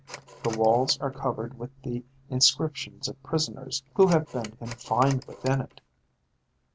The walls are covered with the inscriptions of prisoners who have been confined within it.